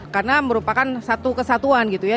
karena merupakan satu kesatuan gitu ya